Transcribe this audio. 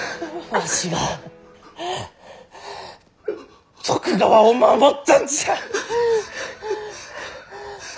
わしが徳川を守ったんじゃ！